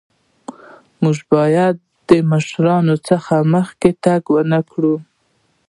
مونږ باید د مشرانو څخه مخکې تګ ونکړو.